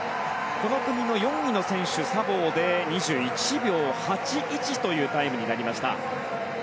この組の４位の選手、サボーで２１秒８１というタイムになりました。